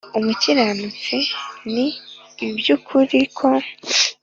umukiranutsi Ni iby ukuri ko